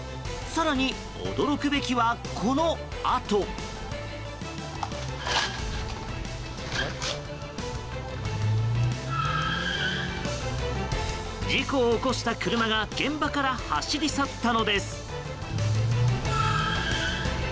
更に驚くべきは、このあと。事故を起こした車が現場から走り去ったのです。